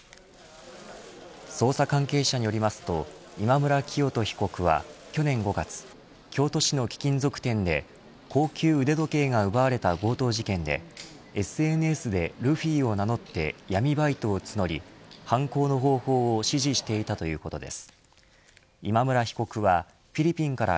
捜査関係者によりますと今村磨人被告は去年５月、京都市の貴金属店で高級腕時計が奪われた強盗事件でＳＮＳでルフィを名乗って闇バイトを募り犯行の方法を指示していたということです。